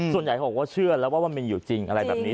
ส่วนใหญ่เขาบอกว่าเชื่อแล้วว่ามันมีอยู่จริงอะไรแบบนี้